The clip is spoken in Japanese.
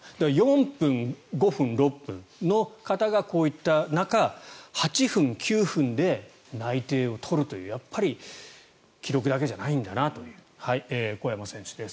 ４分、５分、６分の方がこういった中、８分、９分で内定を取るというやっぱり記録だけじゃないという小山選手です。